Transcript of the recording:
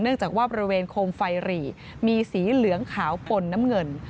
จากว่าบริเวณโคมไฟหรี่มีสีเหลืองขาวปนน้ำเงิน